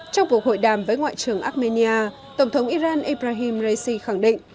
trong cuộc hội đàm với ngoại trưởng armenia tổng thống iran ibrahim raisi khẳng định